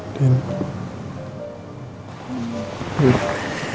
ini sama aja